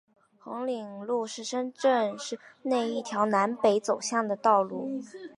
红岭路是深圳市内一条南北走向的道路。